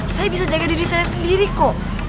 saya bisa jaga diri saya sendiri kok